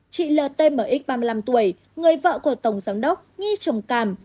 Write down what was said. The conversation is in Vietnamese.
chị ltmx ba mươi năm tuổi người vợ của tổng giám đốc nghi trồng càm